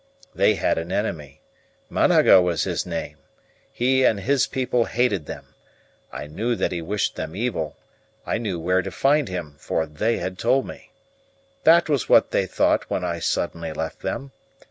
They had an enemy. Managa was his name; he and his people hated them; I knew that he wished them evil; I knew where to find him, for they had told me. That was what they thought when I suddenly left them.